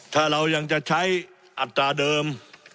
ถ้าเรายังจะใช้อัตราเดิม